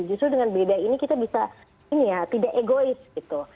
justru dengan beda ini kita bisa ini ya tidak egois gitu